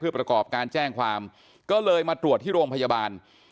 ประกอบการแจ้งความก็เลยมาตรวจที่โรงพยาบาล